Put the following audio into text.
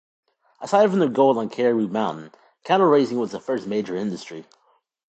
Aside from the gold on Caribou mountain, cattle raising was the first major industry.